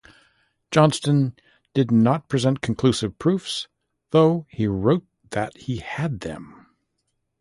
Johnston did not present conclusive proofs, though he wrote that he had them.